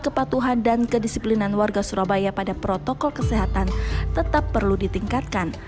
kepatuhan dan kedisiplinan warga surabaya pada protokol kesehatan tetap perlu ditingkatkan